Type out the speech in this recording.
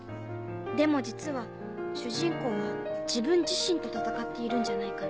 でも実は主人公は自分自身と戦っているんじゃないかな？